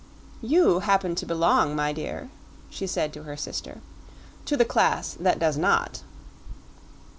"You happen to belong, my dear," she said to her sister, "to the class that does not."